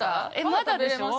まだでしょう？